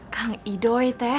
kang idoi teh